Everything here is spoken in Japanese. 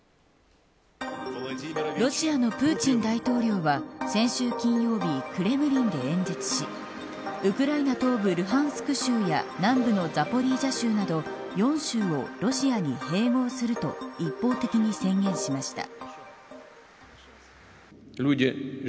ロシアのプーチン大統領は先週金曜日クレムリンで演説しウクライナ東部ルハンスク州や南部のザポリージャ州など４州をロシアに併合すると一方的に宣言しました。